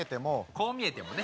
「こう見えても」ね。